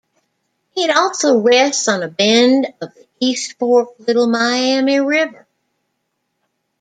It also rests on a bend of the East Fork Little Miami River.